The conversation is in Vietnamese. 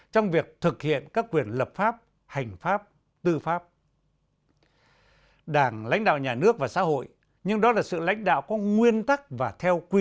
trong việc thực hiện các quyền lực của quốc hội